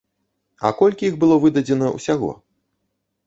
А колькі іх было выдадзена ўсяго?